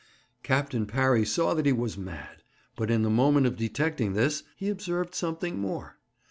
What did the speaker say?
Captain Parry saw that he was mad, but in the moment of detecting this he observed something more.